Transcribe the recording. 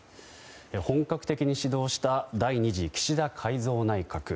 本格的に始動した第２次岸田改造内閣。